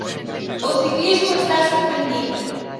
O ciclismo está sorprendido.